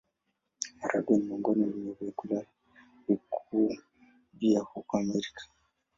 Maharagwe ni miongoni mwa vyakula vikuu vya huko Amerika.